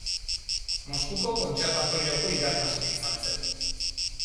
Moskuko Kontserbatorioko irakasle izan zen.